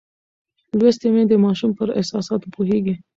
لوستې میندې د ماشوم پر احساساتو پوهېږي.